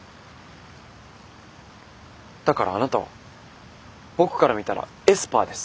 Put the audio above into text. だからあなたは僕から見たらエスパーです。